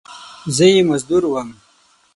زه یې مزدور وم !